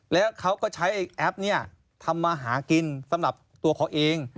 แล้วเขาก็ใช้แอปเนี่ยทำมาหากินสำหรับตัวเขาเอง